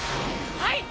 はい！！